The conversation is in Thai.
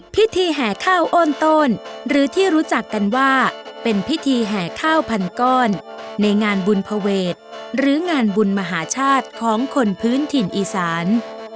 แห่ข้าวโอนโต้นหรือที่รู้จักกันว่าเป็นพิธีแห่ข้าวพันก้อนในงานบุญภเวทหรืองานบุญมหาชาติของคนพื้นถิ่นอีสาน